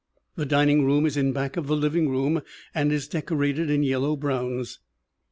The din ing room is in back of the living room and is dec orated in yellow browns.